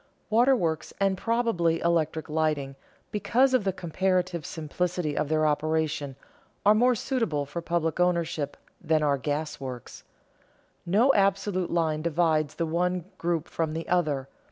Waterworks and probably electric lighting, because of the comparative simplicity of their operation, are more suitable for public ownership than are gas works. No absolute line divides the one group from the other.